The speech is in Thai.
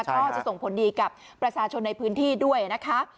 ก็จะส่งผลดีกับประชาชนในพื้นที่ด้วยนะคะ